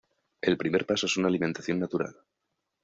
El primer paso es una alimentación natural.